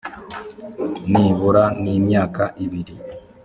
nibura n imyaka ibiri